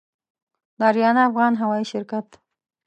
د آریانا افغان هوايي شرکت